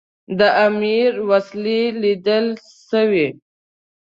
د امیر وسلې لیدل سوي.